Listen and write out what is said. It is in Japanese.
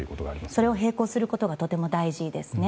それを並行することがとても大事ですね。